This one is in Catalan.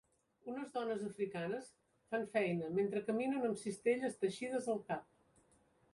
Unes dones africanes fan feina mentre caminen amb cistelles teixides al cap